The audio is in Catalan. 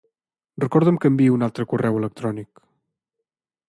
Recorda'm que enviï un altre correu electrònic.